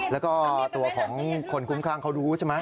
แล้วก็ตัวของคนคุ้มข้างเขารู้ใช่ไหม